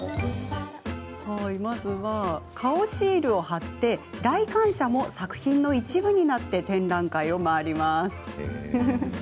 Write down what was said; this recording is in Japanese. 顔シールを貼って来館者も作品の一部になって展覧会を回ります。